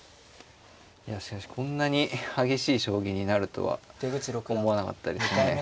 いやしかしこんなに激しい将棋になるとは思わなかったですね。